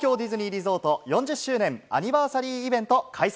リゾート４０周年アニバーサリーイベント開催。